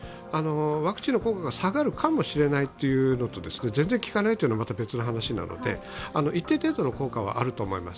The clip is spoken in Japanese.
ワクチンの効果が下がるかもしれないというのと、全然効かないというのは別の話なので一定程度の効果はあると思います。